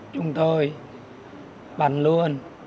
chúng tôi bắn luôn